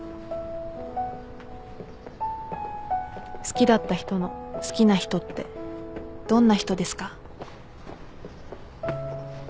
好きだった人の好きな人ってどんな人ですか？